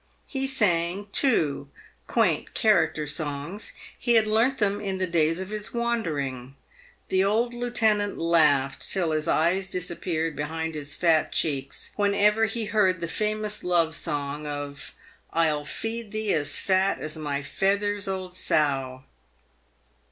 He sang, too, quaint character songs. He had learnt them in the days of his wandering. The old lieutenant laughed till his eyes dis appeared behind his fat cheeks whenever he heard the famous love song of " I'll feed thee as fat as my feyther's old seow."